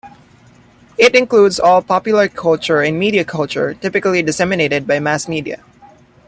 It includes all popular culture and media culture, typically disseminated by mass media.